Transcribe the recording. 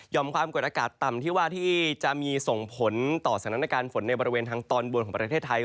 ความกดอากาศต่ำที่ว่าที่จะมีส่งผลต่อสถานการณ์ฝนในบริเวณทางตอนบนของประเทศไทย